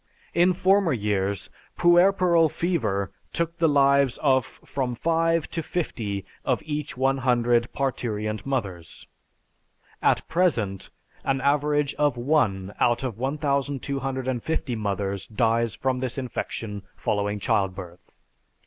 In former years, puerperal fever took the lives of from five to fifty of each one hundred parturient mothers. At present, an average of one out of 1250 mothers dies of this infection following childbirth.